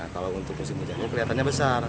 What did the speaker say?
kalau untuk musim hujan ini kelihatannya besar